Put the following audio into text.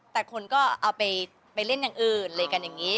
แต่คนก็เอาไปเล่นอย่างอื่นอะไรกันอย่างนี้